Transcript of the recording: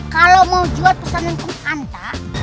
kalau mau jual pesanankun anta